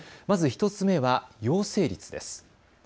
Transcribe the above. まず１つ目は陽性率です。